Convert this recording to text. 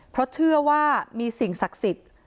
เพราะเชื่อว่ามีสิ่งศักดิ์สิทธิ์